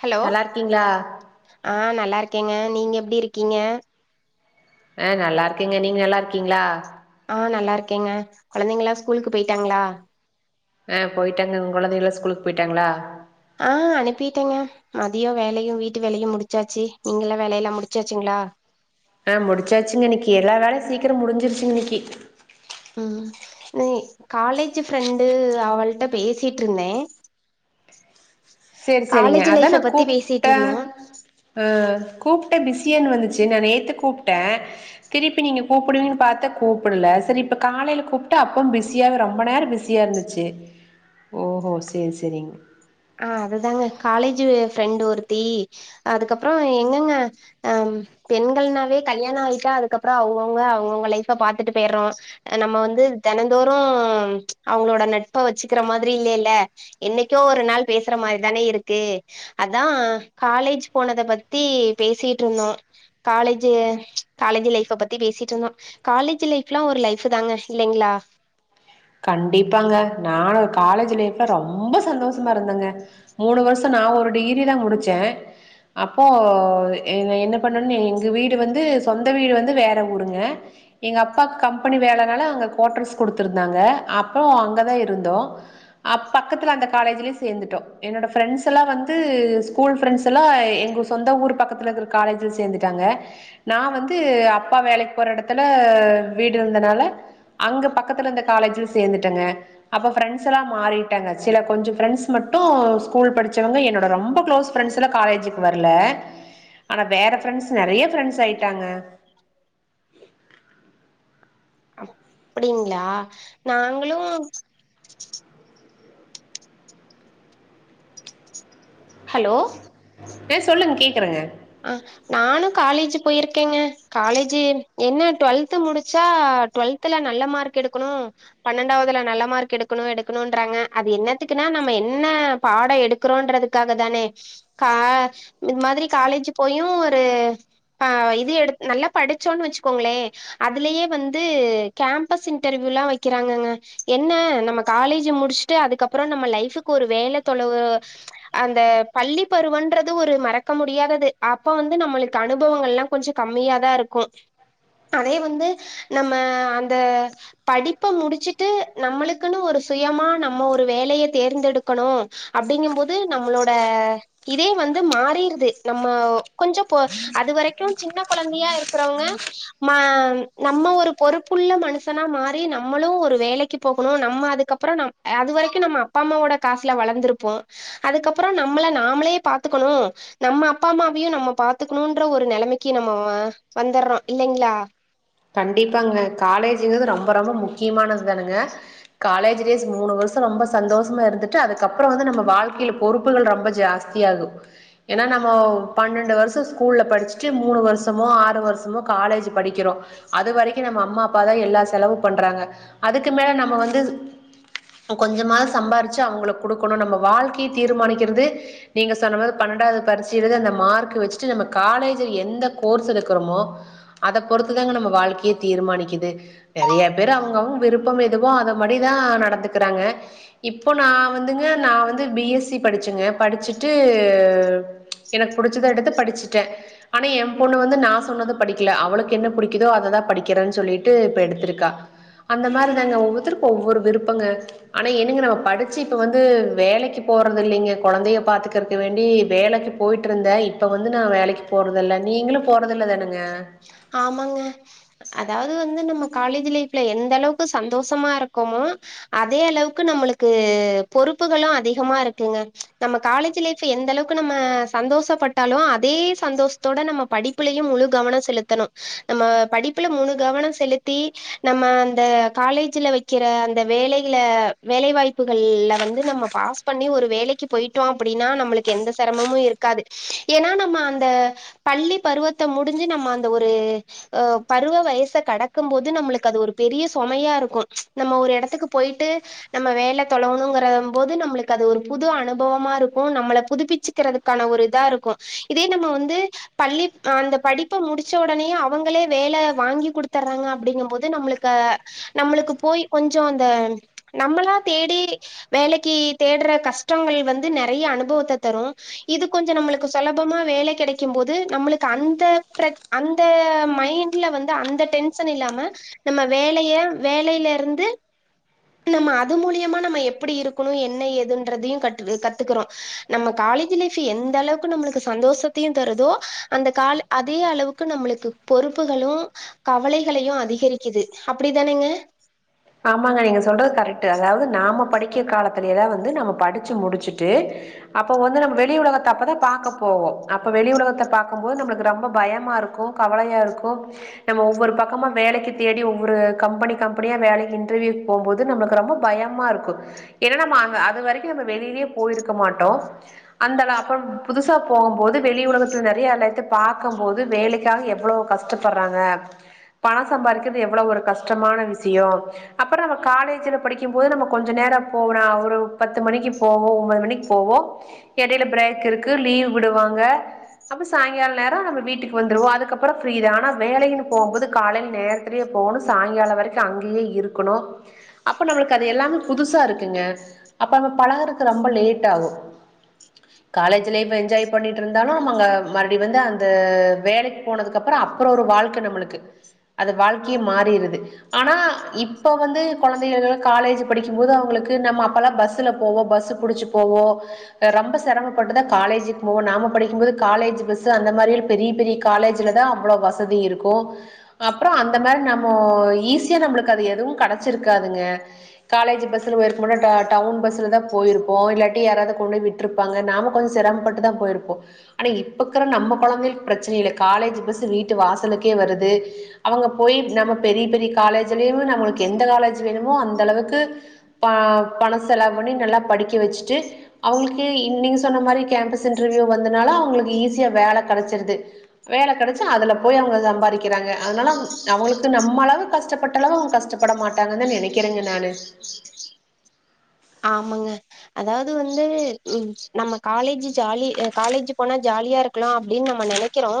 hello நல்லா இருக்கீங்களா ஆஹ் நல்லா இருக்கேங்க நீங்க எப் டி இருக்கீங்க அஹ் நல்லா இருக்கங்க நீங்க நல்லா இருக்கீங்களா ஆ நல்லா இருக்கேங்க குழந்தைங்களா ஸ்கூலுக்கு போயிட்டாங்களா ஆஹ் போயிட்டாங்க உங் கொழந்தைகளா ஸ்கூலுக்கு போய்ட்டாங்களா ஆஹ் அனுப்பிட்டேங்க மதிய வேலையு வீட்டு வேலையு முடிச்சாச்சு நீங்க எல்லா வேலை எல்லா முடிச்சாச்சுங்களா ஆஹ் முடிச்சாச்சுங்க இன்னைக்கு எல்லா வேலை சீக்கிர முடிஞ்சிருச்சுங்க இன்னைக்கு உம் நீ காலேஜ் ஃப்ரெண்டு அவள்ட்ட பேசிட்ருந்தே சரி சரிங்க அதா நா பேசிட்டு கூப்ட்டே இருந்தோ ஆஹ் கூப்பிட்ட பிஸின்னு வந்துச்சு நா நேத்து கூப்ட்டே திருப்பி நீங்க கூப்பிடுவீங்கன்னு பாத்த கூப்பிடல சரி இப்ப காலையில கூப்ட்ட அப்பயு பிஸியா ரொம்ப நேர பிசியா இருந்துச்சு ஓஹோ சரி சரிங்க ஆஹ் அதுதாங்க காலேஜு ஃபிரண்டு ஒருத்தி அதுக்கப்புற எங்கங்க அஹ் பெண்கள் னாலே கல்யாண ஆயிட்டா அதுக்கப்புற அவுங்கவுங்க அவங்கவுங்க லைஃப பாத்துட்டு போயிர்றோ நம்ம வந்து தெனந்தோறு அவங்களோட நட்ப வச்சுக்கிற மாதிரி இல்லைல்ல என்னைக்கோ ஒரு நாள் பேசுற மாரிதானே இருக்கு அதா காலேஜ் போனத பத்தி பேசிட்டு இருந்தோ காலேஜு காலேஜ் லைஃப பத்தி பேசிட்ருந்தோ காலேஜ் லைஃப்ல ஒரு லைஃப் தாங்க இல்லைங்ளா கண்டிப்பாங்க நானு காலேஜ் லைஃப்ல ரொம்ப சந்தோஷமா இருந்தங்க மூணு வருஷ நா ஒரு டிகிரி தா முடிச்சே அப்போ என்ன என்ன பண்ணனு எங்க வீடு வந்து சொந்த வீடு வந்து வேற ஊருங்க எங்க அப்பாக்கு கம்பெனி வேலனால அவுங்க கோட்டர்ஸ் குடுத்துரு ந்தாங்க அப்போ அங்க தா இருந்தோ அப்ப பக்கத்துல அந்த காலேஜ்ல சேந்துட்டோ என்னோட ஃப்ரெண்ட்ஸ் எல்லா வந்து ஸ்கூல் ஃப்ரெண்ட்ஸ் எல்லா வந்து எங்க சொந்த ஊரு பக்கத்துல இருக்க காலேஜ்ல சேந்துட்டாங்க நா வந்து அப்பா வேலைக்கு போற எடத்துல வீடு இருந்தனால அங்க பக்கத்துல காலேஜ்ல சேந்துட்டங்க அப்ப ஃப்ரண்ட்ஸ் எல்லா மாறிட்டாங்க சில கொஞ்சம் ஃப்ரெண்ட்ஸ் மட்டு ஸ்கூல் படிச்சவங்க என்னோட ரொம்ப க்ளோஸ் ஃப்ரெண்ட்ஸ் எல்லா காலேஜுக்கு வரல ஆனா வேற ஃப்ரண்ட்ஸ் நெறைய ஃப்ரெண்ட்ஸ் ஆயிட்டாங்க அப்படிங்களா நாங்களு ஹலோ ஆஹ் சொல்லுங்க கேக்குறங்க அஹ் நானும் காலேஜ் போயிருக்கங்க காலேஜு என்ன டுவெல்த்து முடிச்சா டுவெல்த்துல நல்ல மார்க் எடுக்கணு பன்னெண்டாவதுல நல்ல மார்க் எடுக்கணு எடுக்கணுன்றாங்க அது என்னத்துக்குனா நாம என்ன பாடோ எடுக்கறோன்றதுக்காக தானே கா இது மாதிரி காலேஜு போயு ஒரு இது எடு நல்லா படிச்சோன் வச்சுக்கோங்களே அதுலயே வந்து கேம்பஸ் இன்டர்வியூ லா வக்கிறாங்கங்க என்ன நம்ம காலேஜ் முடிச்சுட்டு அதுக்கப்புற நம்ம லைஃப்க்கு ஒரு வேல தொலவு அந்த பள்ளி பருவன்றது ஒரு மறக்க முடியாதது அப்ப வந்து நம்மளுக்கு அனுபவங்கள் எல்லா கொஞ்ச கம்மியாதா இருக்கு அதே வந்து நம்ம அந்த படிப்ப முடிச்சுட்டு நம்மளுக்குன்னு ஒரு சுயமா நம்ம ஒரு வேலைய தேர்ந்தெடுக்கணு அப்படிங்கம் போது நம்மளோட இதே வந்து மாறிருது ம்ம கொஞ்ச ப அது வரைக்கு சின்ன கொழந்தையா இருக்கிறவங்க நம்ம ஒரு பொறுப்புள்ள மனுஷனா மாறி நம்மளு ஒரு வேலைக்கு போகணு நம்ம அதுக்கப்புற நம் அது வரைக்கு நம்ம அப்பா அம்மாவோட காசுல வளந்திருப்போ அதுக்கப்புற நம்மள நாமளே பாத்துக்கணு நம்ம அப்பா அம்மாவையு நம்ம பாத்துக்கணுன்ற ஒரு நெலமைக்கு வந்துடுறோ இல்லைங்களா கண்டிப்பாங்க காலேஜுன்றது ரொம்ப ரொம்ப முக்கியமானது தானுங்க காலேஜ் டேஸ் மூணு வருஷ ரொம்ப சந்தோஷமா இருந்துட்டு அதுக்கப்புற வந்து நம்ம வாழ்க்கையில பொறுப்புகள் ரொம்ப ஜாஸ்திய ஆகு ஏன்னா நம்ம பன்னெண்டு வருஷ ஸ்கூல்ல படிச்சுட்டு மூணு வருஷமோ ஆறு வருஷமோ காலேஜ் படிக்கிறோ அது வரைக்கு நம்ம அம்மா அப்பா தா எல்லா செலவு பண்றாங்க அதுக்கு மேல நம்ம வந்து கொஞ்சமாவது சம்பாரிச்சு அவுங்களுக்கு குடுக்கணு நம்ம வாழ்க்கைய தீர்மானிக்கிறது நீங்க சொன்ன மார் பன்னெண்டாவது பரீச்சைல அந்த மார்க்க வச்சிட்டு நம்ம காலேஜ் ல எந்த கோர்ஸ் எடுக்கறோமோ அத பொறுத்து தாங்க நம்ம வாழ்க்கையே தீர்மானிக்குது நெறைய பேர் அவுங்க அவுங்க விருப்பம் எதுவோ அதபடி தா நடந்துக்கிறாங்க இப்ப நா வந்துங்க நா வந்து பி எஸ் சி படிச்சங்க படிச்சிட்டு எனக்கு புடிச்சது எடுத்து படிச்சிட்டே ஆனா எம் பொண்ணு வந்து நா சொன்னத படிக்கல அவளுக்கு என்ன புடிக்குதோ குதோ அததா படிக்கிறன்னு சொல்லிட்டு இப்ப எடுத்திருக்கா அந்த மாரிதாங்க ஒவ்வொருத்தருக்கு ஒவ்வொரு விருப்பங்க ஆனா என்னங்க நம்ம படிச்சு இப்ப வந்து வேலைக்கு போறது இல்லைங்க கொழந்தைய பாத்துக்கறக்கு வேண்டி வேலைக்கு போயிட்டுருந்தே இப்ப வந்து நா வேலைக்கு போறத இல்ல நீங்களு போறதில்ல தானுங்க ஆமாங்க அதாவது வந்து நம்ம காலேஜ் லைஃப்ல எந்த அளவுக்கு சந்தோஷமா இருக்கமோ அதே அளவுக்கு நம்மளுக்கு பொறுப்புகளு அதிகமா இருக்குங்க நம்ம காலேஜ் லைஃப் எந்த அளவுக்கு நம்ம சந்தோஷப்பட்டாலு அதே சந்தோசத்தோட நம்ம படிப்புலையு முழு கவன செலுத்த னு நம்ம படிப்புல முழு கவன செலுத்தி நம்ம அந்த காலேஜ்ல வைக்கிற அந்த வேலையில வேலை வாய்ப்புகள் ல வந்து நம்ம பாஸ் பண்ணி ஒரு வேலைக்கு போயிட்டோ அப்படின்னா நம்மளுக்கு எந்த சிரமமு இருக்காது ஏன்னா நம்ம அந்த பள்ளி பருவத்த முடிஞ்சு நம்ம ஒரு பருவ வயச கடக்கும் போது நம்மளுக்கு அது ஒரு பெரிய சொமையா இருக்கு நம்ம ஒரு எடத்துக்கு போயிட்டு நம்ம வேல தொழவனுங்றபோது நம்மளுக்கு அது ஒரு புது அனுபவமா இருக்கு நம்மள புதுப்பிச்சுக்கறதுக்கான ஒரு இதா இருக்கு இதே நம்ம வந்து பள்ளி அந்த படிப்பை முடிச்ச உடனேயே அவங்களே வேல வாங்கி குடுத்தர்றாங்க அப்படிங்க போது நம்மளுக்கு நம்மளுக்கு போய் கொஞ்ச அந்த நம்மளா தேடி வேலைக்கு தேடற கஷ்டங்கள் வந்து நெறைய அனுபவத்த தரு இது கொஞ்ச நம்மளுக்கு சுலபமா வேல கிடைக்கும் போது நம்மளுக்கு அந்த ப்ரச் அந்த மைண்ட்ல வந்து அந்த டென்ஷன் இல்லாம நம்ம வேலைய வேலையில இருந்து நம்ம அது மூலியமா நம்ம எப்படி இருக்கணு என்ன ஏதுன்றதையு கத்துக்கறோ நம்ம காலேஜ் லைஃப் எந்த அளவுக்கு நம்மளுக்கு சந்தோஷத்தையு தருதோ அந்த கா அதே அளவுக்கு க்கு நம்மளுக்கு பொறுப்புகளு கவலைகளையு அதிகரிக்குது அப்படிதானங்க ஆமாங்க நீங்க சொல்றது கரெக்ட் அதாவது நாம படிக்கிற காலத்தில லா வந்து நம்ம படிச்சு முடிச்சுட்டு அப்போ வந்து நம வெளி உலகத்தை அப்பதா பாக்க போவோ அப்ப வெளி உலகத்தை பாக்கும்போது நம்மளுக்கு ரொம்ப பயமா இருக்கு கவலையா இருக்கு நம்ம ஒவ்வொரு பக்கமா வேலைக்கு தேடி ஒவ்வொரு கம்பெனி கம்பெனியா வேலைக்கு இன்டர்வியூக்கு போகும்போது நமக்கு ரொம்ப பயமா இருக்கு ஏன்னா நம்ம அ அது வரைக்கு நம்ம வெளியிலயே போயிருக்க மாட்டோ அந்த அப்புற புதுசா போகும்போது வெளி உலகத்துல நெறைய எல்லையத்தை பாக்கம்போது வேலைக்காக எவ்வளவு கஷ்டப்படுறாங்க பண சம்பாதிக்கிறது எவ்வளவு ஒரு கஷ்டமான விஷய அப்புற நம்ம காலேஜ்ல படிக்கும் போது நம்ம கொஞ்ச நேர போனா ஒரு பத்து மணிக்கு போவோ ஒன்பது மணிக்கு போவோ எடையில பிரேக் இருக்கு லீவ் விடுவாங்க அப்ப சாயங்கால நேர நம்ம வீட்டுக்கு வந்துடுவோ அதுக்கப்புறம் ஃப்ரீ தா ஆனா வேலைன்னு போகும்போது காலையில நேரத்திலேயே போகணு சாயங்கால வரைக்கு அங்கேயே இருக் கனு அப்ப நமளுக்கு அது எல்லாமே புதுசா இருக்குங்க அப்ப நம்ம பழகறக்கு ரொம்ப லேட் ஆகு காலேஜ் லைஃப் என்ஜாய் பண்ணிட்டு இருந்தாலு அவுங்க மறுபடியு வந்து அந்த வேலைக்கு போனதுக்கு அப்புற ஒரு வாழ்க்க நமளுக்கு அது வாழ்க்கையே மாறிடுது ஆனா இப்போ வந்து கொழந்தைகள் காலேஜ் படிக்கும் போது அவங்களுக்கு நம்ம அப்போ லா பஸ்ல போவோ பஸ்ஸ புடிச்சு போவோ ரொம்ப சிரமப்பட்டுதா காலேஜுக்கு போவோ நாம படிக்கும்போது காலேஜ் பஸ் அந்த மாதிரி லா பெரிய பெரிய காலேஜ்ல தா அவ்வளோ வசதி இருக்கு அப்புற அந்த மாரி நம்ம ஈஸியா நம்மளுக்கு அது எதுவு கடைச்சிருக்காதுங்க காலேஜ் பஸ்ல போயிருக்க மாட்டோம் டவுன் பஸ்ல தான் போயிருப்போம் இல்லாட்டி யாராவது கொண்டு வந்து விட்டு இருப்பாங்க நாம கொஞ்சம் சிரமப்பட்டு தான் போயிருப்போம் ஆனா இப்ப இருக்குற நம்ம குழந்தைகளுக்கு பிரச்சனை இல்லை காலேஜ் பஸ் வீட்டு வாசலுக்கே வருது அவுங்க போய் நம்ம பெரிய பெரிய காலேஜ்லயு நாம எந்த காலேஜ் வேணுமோ அந்த அளவுக்கு ப பணம் செலவு பண்ணி நல்லா படிக்க வச்சுட்டு அவங்களுக்கு நீங்க சொன்ன மாரி கேம்பஸ் இன்டர்வியூ வந்தனால அவங்களுக்கு ஈசியா வேல கிடைச்சிருது வேல கிடைச்சா அதுல போய் அவங்க சம்பாதிக்கிறாங்க அதனால அவங்களுக்கு நம்ம அளவு கஷ்டப்பட்ட அளவு அவங்க கஷ்ட பட மாட்டாங்கன்னு தான் நினைக்கிறேங்க நானு ஆமாங்க அதாவது வந்து உ நம்ம காலேஜ் ஜாலி காலேஜ் போனா ஜாலியா இருக்கலாம் அப்டின்னு நம்ம நெனைக்கிறோம்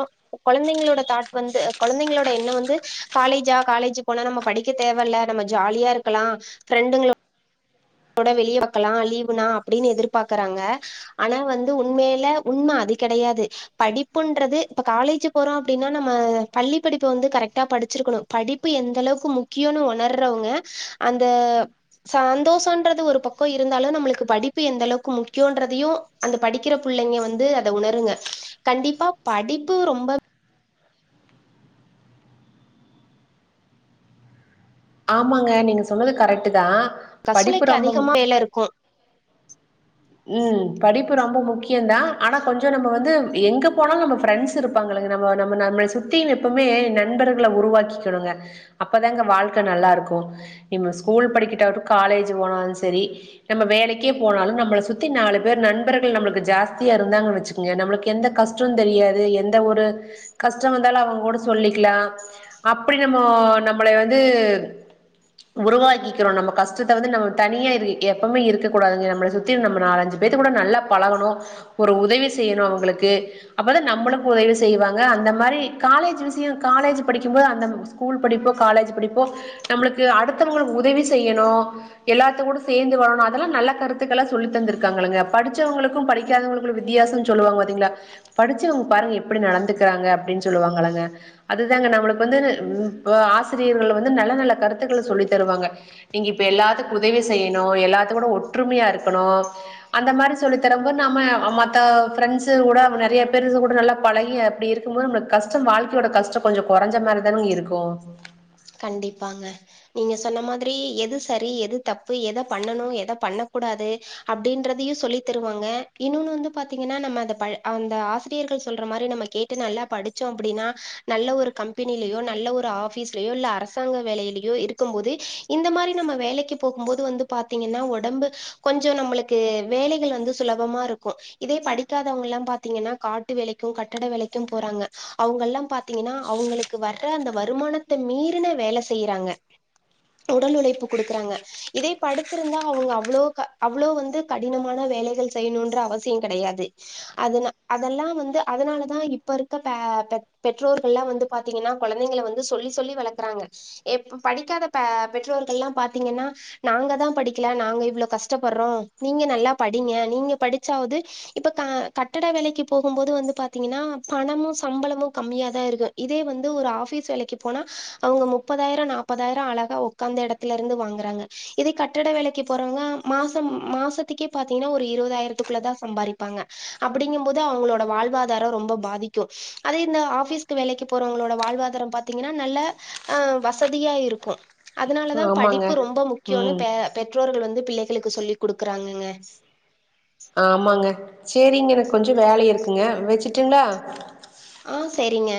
குழந்தைங்களோட தாட் வந்து குழந்தைங்களோட எண்ணம் வந்து காலேஜா காலேஜ் போனா நம்ம படிக்க தேவல்ல நம்ம ஜாலியா இருக்கலாம் ஃபிரண்டுங்களோட ஒட வெளியே வைக்கலாம் லீவுனா அப்டின்னு எதிர்பார்க்கறாங்க ஆனா வந்து உண்மையில உண்ம அது கிடையாது படிப்புன்றது இப்ப காலேஜ் போறோம் அப்டின்னா நம்ம பள்ளி படிப்பு வந்து கரெக்டா படிச்சிருக்கணு படிப்பு எந்த அளவுக்கு முக்கியோனு ஒணர்றவங்க அந்த சந்தோஷம் ன்றது ஒரு பக்கம் இருந்தாலும் நம்மளுக்கு படிப்பு எந்த அளவுக்கு முக்கியன்றதையும் அந்த படிக்கிற புள்ளைங்க வந்து அத உணருங்க கண்டிப்பா படிப்பு ரொம்ப ஆமாங்க நீங்க சொன்னது கரெக்ட் தான் கசுலைக்கு அதிகமா வேலை இருக்கும் ம் படிப்பு ப்பு ரொம்ப முக்கியம் முக்கியந்தா ஆனால் கொஞ்ச நம்ம வந்து எங்க போனாலும் நம்ம ஃபிரண்ட்ஸ் இருப்பாங்கல்லங்க நம்ம நம்ம நம்மளை சுத்தியும் எப்பவுமே நண்பர்களை உருவாக்கிக்கணுங்க அப்பதானங்க வாழ்க்கை நல்லா இருக்கும் இப்ப ஸ்கூல் படிச்சுட்டுவாவட்டு காலேஜ் போனாலும் சரி நம்ம வேலைக்கே போனாலும் நம்மள சுத் சுத்தி நாலு பேர் நண்பர்கள் நமளுக்கு ஜாஸ்தியா இருந்தாங்கன்னு வச்சுக்கோங்க நம்மளுக்கு எந்த கஷ்டம் தெரியாது எந்த ஒரு கஷ்டம் வந்தாலும் அவங்க கூட சொல்லிக்கலாம் அப்படி நம்ம நம்மளை வந்து உருவாக்கிக்கிறோம் நம்ம கஷ்டத்தை வந்து நம்ம தனியா இரு எப்பவுமே இருக்கக்க கூடாதுங்க நம்ம சுத்தி நம்ம நாலஞ்சு பேத்துக்கூட நல்லா பழகணும்ஒரு உதவி செய்யணு அவங்களுக்கு அப்ப தான் நம்மளுக்கு உதவி செய்வாங்க அந்த மாரி காலேஜ் விசியம் காலேஜ் படிக்கும்போது அந்த ஸ்கூல் படிப்போ காலேஜ் படிப்போ நம்மளுகு அடுத்தவங்களுக்கு உதவி செய்யணும் எல்லாத்து கூட சேர்ந்து வாழணும் அதெல்லாம் நல்ல கருத்துக்களை சொல்லி தந்து இருக்காங்கல்லங்க படிச்சவங்களுக்கும் படிக்காதவங்களுக்கும் வித்தியாசம்னு சொல்லுவாங்க பாத்தீங்களா படிச்சவங்க பாருங்க எப்படி நடந்துக்கிறாங்க அப்படின்னு சொல்லுவாங்கலங்க அதுதாங்க நம்மளுக்கு வந்து ஆசிரியர்கள் வந்து நல்ல நல்ல கருத்துக்களை சொல்லி தருவாங்க நீங்க இப்ப எல்லாத்துகு உதவி செய்யணும் எல்லாத்து கூட ஒற்றுமையா இருக்கணும் அந்த மாரி சொல்லி தரும்போது நம்ம மத்த ஃப்ரெண்ட்ஸ் கூட நிறைய பேரு கூட நல்லா பழகி அப்டி இருக்கும் போது நம்மளுக்கு கஷ்டம் வாழ்க்கையோட கஷ்டம் கொஞ்சம் குறைஞ்ச மாதிரிதானுங்க இருக்கும் கண்டிப்பாங்க நீங்க சொன்ன மாதிரி எது சரி எது தப்பு எதை பண்ணணும் எதை பண்ண கூடாது அப்படின்றதையும் சொல்லி தருவாங்க இன்னொன்னு வந்து பாத்தீங்கன்னா நம்ம அத அந்த ஆசிரியர்கள் சொல்ற மாரி நம்ம கேட்டு நல்லா படிச்சோம் அப்படின்னா நல்ல ஒரு கம்பெனிலயோ நல்ல ஒரு ஆபீஸ் யோ இல்ல அரசாங்க வேலையிலயோ இருக்கும் போது இந்த மாரி நம்ம வேலைக்கு போகும் போது வந்து பாத்தீங்கன்னா உடம்பு கொஞ்சம் நம்மளுக்கு வேலைகள் வந்து சுலபமா இருக்கும் இதே படிக்காதவங்க எல்லாம் பாத்தீங்கன்னா காட்டு வேலைக்கும் கட்டட வேலைக்கும் போறாங்க அவங்க எல்லாம் பாத்தீங்கன்னா அவங்களுக்கு வர்ற அந்த வருமானத் த மீறின வேலை செய்யறாங்க உடல் உழைப்பு கொடுக்கறாங்க இதை படிச்சிருந்தா அவங்க அவ்ளோ அவ்ளோ வந்து கடினமான வேலைகள் செய்யணும்ன்ற அவசியம் கிடையாது அதன அதெல்லாம் வந்து அதனாலதான் இப்ப இருக்க பெற்றோர்களெல்லாம் வந்து பாத்தீங்கன்னா குழந்தைங்கள வந்து சொல்லி சொல்லி வளர்க்கறாங்க படிக்காத பெற்றோர்கள் எல்லாம் பாத்தீங்கன்னா நாங்க தான் படிக்கல நாங்க இவ்ளோ கஷ்டப்படுறோம் நீங்க நல்லா படிங்க நீங்க படிச்சாவது இப்ப கட்டட வேலைக்கு போகும் போது வந்து பாத்தீங்கன்னா பணமும் சம்பளமும் கம்மியா தான் இருக்கும் இதே வந்து ஒரு ஆபீஸ் வேலைக்கு போனா அவுங்க முப்பதாயிரம் நாப்பதாயிரம் அழகா உக்காந்த இடத்தல இருந்து வாங்குறாங்க இதே கட்டட வேலைக்கு போறவங்க மாசம் மாசத்துக்கே பாத்தீங்கனா ஒரு இருபதாயிரத்துக்குள்ளதான் சம்பாரிப்பாங்க அப்படிங்கும் போது அவங்களோட வாழ்வாதாரம் ரொம்ப பாதிக்கும் அத இந்த ஆபிஸுகு வேலைக்கு போறவங்களோட வாழ்வாதாரம் பா பாத்தீங்கன்னா நல்ல அ வசதியா இருக்கும் அதனால தான் ஆமாங்க படிப்பு ரொம்ப முக்கியம்னு ம் பெற்றோர்கள் வந்து பிள்ளைகளுக்கு சொல்லிக் கொடுக்குறாங்கங்க ஆமாங்க சேரிங்க எனக்கு கொஞ்சம் வேல இருக்குங்க வச்சுட்டுங்களா ஆஹ் சரிங்க